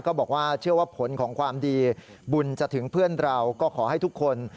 ก็บอกว่าเชื่อว่าผลของความดีบุญจะถึงเพื่อนเราก็ขอให้ทุกคน